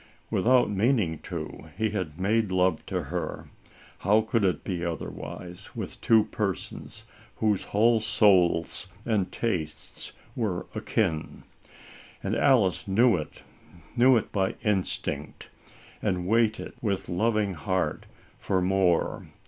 Without meaning to, he made love to her. How could it be otherwise, with two persons whose whole souls and tastes were akin ? And Alice knew it — knew it by in stinct — and waited with loving heart for more.